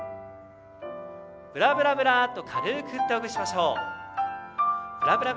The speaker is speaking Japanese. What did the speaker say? ブラブラっと軽く振ってほぐしましょう。